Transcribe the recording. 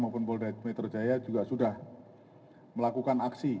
maupun polda metro jaya juga sudah melakukan aksi